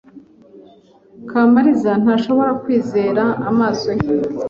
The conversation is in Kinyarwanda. Kamariza ntashobora kwizera amaso ye.